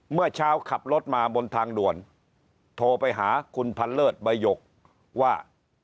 เมื่อเช้าขับรถมาบนทางด่วนโทรไปหาคุณพันเลิศใบหยกว่า